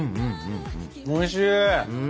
おいしい。